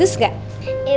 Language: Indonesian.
ibu cantik pakai baju itu